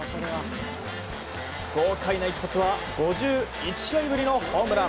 豪快な一発は５１試合ぶりのホームラン。